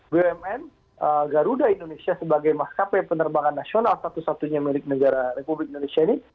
bumn garuda indonesia sebagai maskapai penerbangan nasional satu satunya milik negara republik indonesia ini